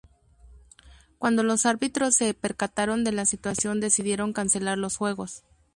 Cuando los árbitros se percataron de la situación decidieron cancelar los juegos.